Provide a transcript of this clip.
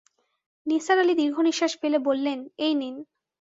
নিসার আলি দীর্ঘনিঃশ্বাস ফেলে বললেন, এই নিন।